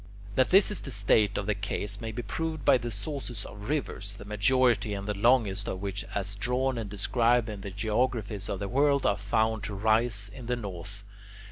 That this is the state of the case may be proved by the sources of rivers, the majority and the longest of which, as drawn and described in geographies of the world, are found to rise in the north.